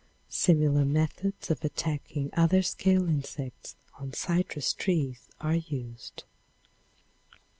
Similar methods of attacking other scale insects on citrus trees are used.